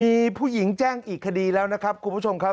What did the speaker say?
มีผู้หญิงแจ้งอีกคดีแล้วนะครับคุณผู้ชมครับ